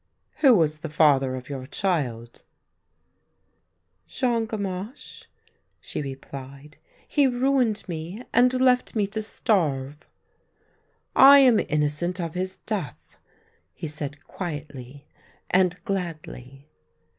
,Who was the father of your child? "" Jean Gamache," she replied. " He ruined me and left me to starve." " I am innocent of his death !" he said quietly and gladly.